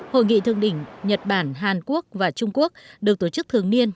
hội nghị thượng đỉnh nhật bản hàn quốc và trung quốc được tổ chức thường niên